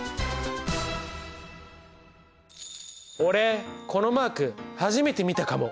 俺このマーク初めて見たかも。